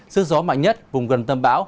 sức gió mạnh nhất vùng gần tâm bão